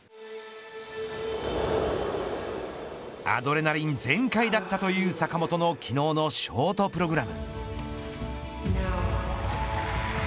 アドレナリン全開だったという坂本の昨日のショートプログラム。